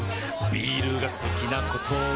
ビールが好きなことあぁーっ！